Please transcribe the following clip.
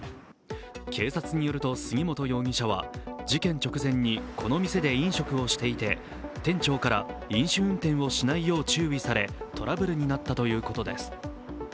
警察によると、杉本容疑者は事件直前にこの店で飲食をしていて店長から飲酒運転をしないよう注意されトラブルになったということです。